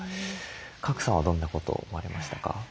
賀来さんはどんなことを思われましたか？